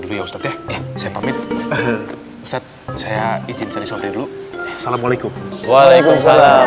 dulu ya ustadz ya saya pamit ustadz saya izin cari suami dulu assalamualaikum waalaikumsalam